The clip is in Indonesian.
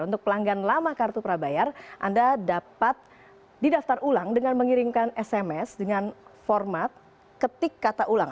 untuk pelanggan lama kartu prabayar anda dapat didaftar ulang dengan mengirimkan sms dengan format ketik kata ulang